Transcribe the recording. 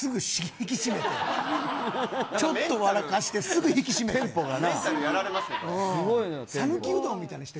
ちょっと笑かして、すぐ引き締めて。